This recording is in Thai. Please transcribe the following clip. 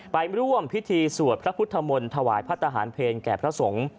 ไปร่วมพิธีสวดพระพุทธมนต์ถวายพระทหารเพลแก่พระสงฆ์